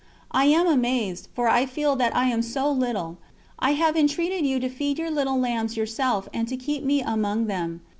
I am amazed, for I feel that I am so little. I have entreated you to feed your little lambs yourself and to keep me among them.